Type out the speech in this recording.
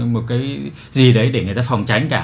một cái gì đấy để người ta phòng tránh cả